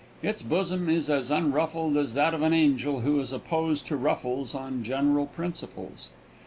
Its bosom is as unruffled as that of an angel who is opposed to ruffles on general principles.